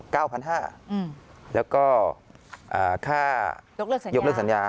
พันห้าอืมแล้วก็อ่าค่ายกเลิกสัญญายกเลิกสัญญา